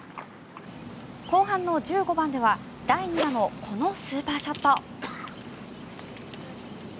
後半の１５番では第２打もこのスーパーショット。